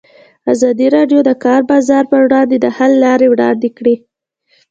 ازادي راډیو د د کار بازار پر وړاندې د حل لارې وړاندې کړي.